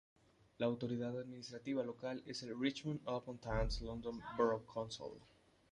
La autoridad administrativa local es el Richmond upon Thames London Borough Council.